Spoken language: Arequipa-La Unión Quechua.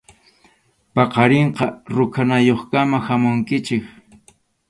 Paqarinqa rukʼanayuqkama hamunkichik.